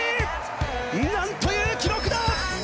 なんという記録だ！